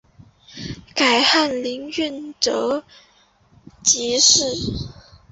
改翰林院庶吉士。